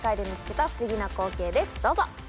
どうぞ。